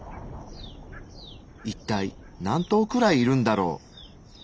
いったい何頭くらいいるんだろう。